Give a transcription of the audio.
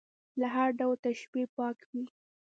له هر ډول تشبیه پاک وي.